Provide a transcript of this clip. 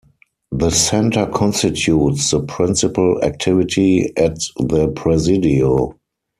The center constitutes the principal activity at the Presidio.